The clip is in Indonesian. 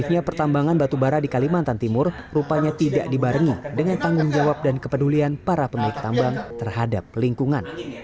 banyaknya pertambangan batubara di kalimantan timur rupanya tidak dibarengi dengan tanggung jawab dan kepedulian para pemilik tambang terhadap lingkungan